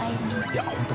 いや本当